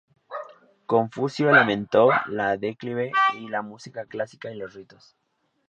Confucio lamentó el declive de la música clásica y los ritos.